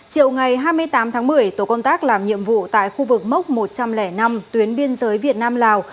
chiều ngày hai mươi tám tháng một mươi tổ công tác làm nhiệm vụ tại khu vực mốc một trăm linh năm tuyến biên giới việt nam lào